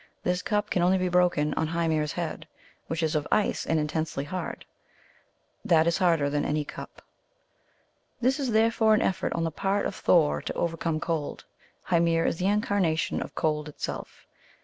This cup can only be broken on Hymir s head, which is of ice, and intensely hard. " That is harder than any cup." This is therefore an effort on the part of Thor to overcome Cold. Hymir is the incarnation of Cold itself.